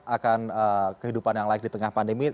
akan kehidupan yang layak di tengah pandemi